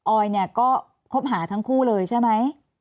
ออยเนี่ยก็คบหาทั้งคู่เลยใช่ไหม